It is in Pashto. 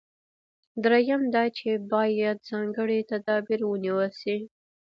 درېیم دا چې باید ځانګړي تدابیر ونیول شي.